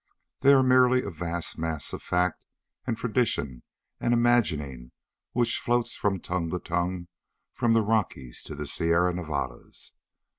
They are merely a vast mass of fact and tradition and imagining which floats from tongue to tongue from the Rockies to the Sierra Nevadas.